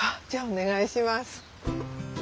じゃお願いします。